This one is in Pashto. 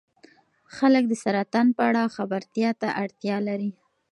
خلک د سرطان په اړه خبرتیا ته اړتیا لري.